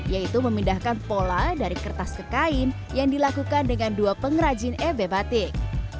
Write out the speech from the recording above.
yaitu memindahkan pola dari kertas ke kain yang dilakukan dengan dua pengrajin ebe batik